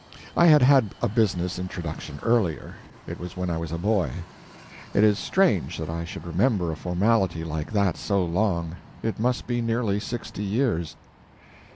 I had had a business introduction earlier. It was when I was a boy. It is strange that I should remember a formality like that so long; it must be nearly sixty years.